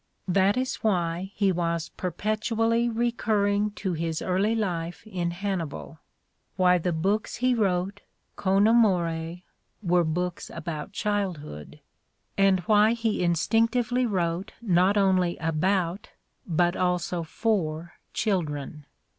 That is why he was perpetually recurring to his early life in Hannibal, why the books he wrote con amore were books about childhood, and why he instinctively wrote not only 176 The Ordeal of Mark Twain about, but also for, children.